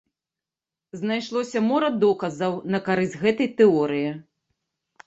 Знайшлося мора доказаў на карысць гэтай тэорыі.